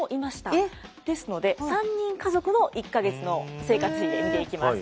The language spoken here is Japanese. ですので３人家族の１か月の生活費で見ていきます。